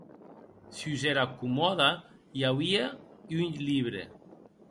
Sus era comòda i auie un libre.